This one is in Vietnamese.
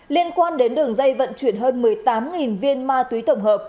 liên quan đến đường dây vận chuyển hơn một mươi tám viên ma túy tổng hợp